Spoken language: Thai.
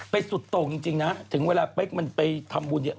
เป๊กสุดโตจริงน่ะถึงเวลาเป๊กมันไปทำบุญ